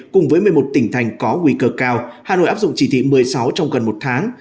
cùng với một mươi một tỉnh thành có nguy cơ cao hà nội áp dụng chỉ thị một mươi sáu trong gần một tháng